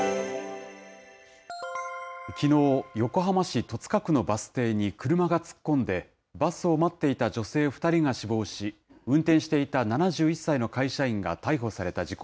きのう、横浜市戸塚区のバス停に車が突っ込んで、バスを待っていた女性２人が死亡し、運転していた７１歳の会社員が逮捕された事故。